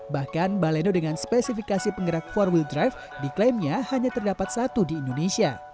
bahkan baleno dengan spesifikasi penggerak empat w drive diklaimnya hanya terdapat satu di indonesia